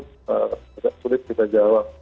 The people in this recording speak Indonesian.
tidak sulit kita jawab